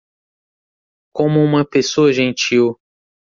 Como uma pessoa gentil